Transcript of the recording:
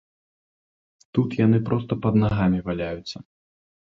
Тут яны проста пад нагамі валяюцца.